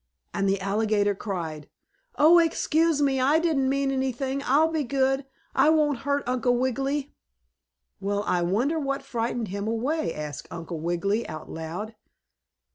And the alligator cried: "Oh, excuse me! I didn't mean anything! I'll be good! I won't hurt Uncle Wiggily!" "Well, I wonder what frightened him away?" asked Uncle Wiggily, out loud.